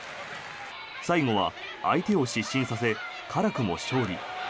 最後は相手を失神させ辛くも勝利。